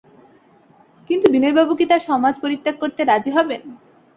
কিন্তু বিনয়বাবু কি তাঁর সমাজ পরিত্যাগ করতে রাজি হবেন?